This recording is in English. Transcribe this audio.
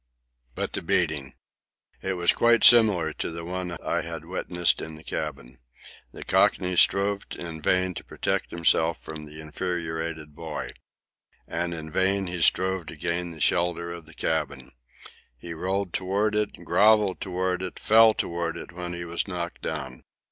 But the beating! It was quite similar to the one I had witnessed in the cabin. The Cockney strove in vain to protect himself from the infuriated boy. And in vain he strove to gain the shelter of the cabin. He rolled toward it, grovelled toward it, fell toward it when he was knocked down.